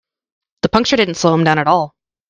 The puncture didn't slow him down at all.